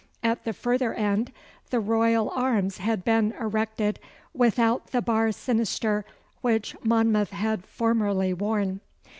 At the further end the royal arms had been erected without the bar sinister which Monmouth had formerly worn.